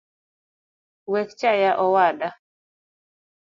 Wekchaya owada